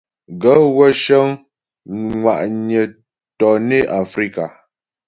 Gaə̂ wə́ cə́ŋ ŋwà'nyə̀ tɔnə Afrikà.